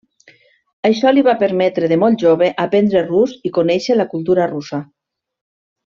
Això li va permetre de molt jove aprendre rus i conèixer la cultura russa.